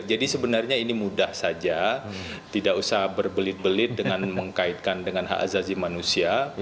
jadi sebenarnya ini mudah saja tidak usah berbelit belit dengan mengkaitkan dengan hak azazi manusia